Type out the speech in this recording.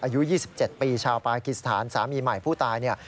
อายุ๒๗ปีชาวปารกิสธานสามีใหม่ผู้ตาย